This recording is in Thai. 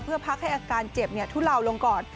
เพื่อพักให้อาการเจ็บทุเลาลงก่อน